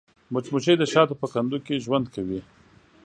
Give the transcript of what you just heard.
مچمچۍ د شاتو په کندو کې ژوند کوي